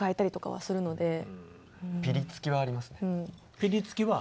はいピリつきはあります。